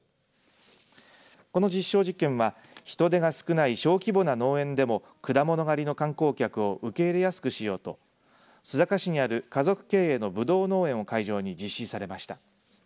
この実証実験は人手が少ない小規模な農園でも果物狩りの観光客を受け入れやすくしようと須坂市にある家族経営のぶどう農園を会場に実施されました。